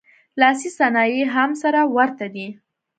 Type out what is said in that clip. لاسي صنایع یې هم سره ورته دي